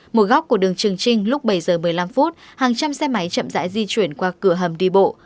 một góc của đường trường trinh lúc bảy giờ một mươi năm hàng trăm xe máy chậm rãi di chuyển qua cửa hầm đi bộ